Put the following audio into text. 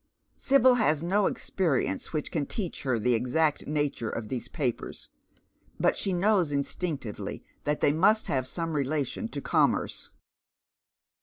Sibyl has no experience which can teach her the exact nature of these papers, but she knows instinctively that they must have some relation to commerce.